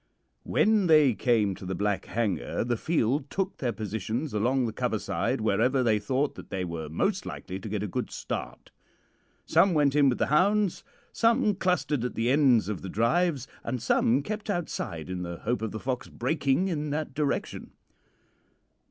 "When they came to the Black Hanger the field took their positions along the cover side wherever they thought that they were most likely to get a good start. Some went in with the hounds, some clustered at the ends of the drives, and some kept outside in the hope of the fox breaking in that direction.